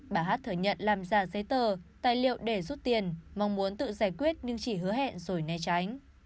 bà hát thừa nhận làm ra giấy tờ tài liệu để rút tiền mong muốn tự giải quyết nhưng chỉ hứa hẹn rồi né tránh